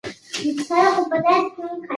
ویکټور هوګو د خپلو افکارو له امله یادېږي.